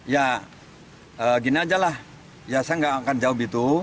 ya gini aja lah saya tidak akan jawab itu